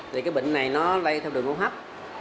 vì cái bệnh này lây theo đường hô hấp